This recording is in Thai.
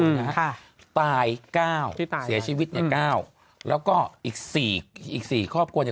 นะฮะค่ะตายเก้าเสียชีวิตเนี่ยเก้าแล้วก็อีกสี่อีกสี่ครอบครัวเนี้ย